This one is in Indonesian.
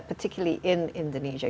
tetapi juga di indonesia